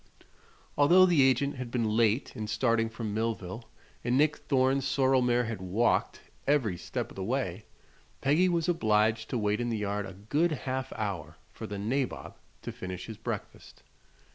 Although the agent had been late in starting from Millville and Nick Thorne's sorrel mare had walked every step of the way, Peggy was obliged to wait in the yard a good half hour for the "nabob" to finish his breakfast.